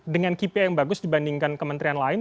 dengan kipa yang bagus dibandingkan kementerian lain